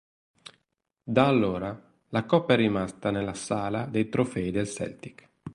Da allora, la coppa è rimasta nella sala dei trofei del Celtic.